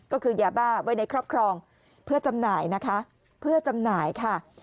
ก็คือยาบ้าไว้ในครอบครองเพื่อจำหน่ายนะคะเพื่อจำหน่ายค่ะ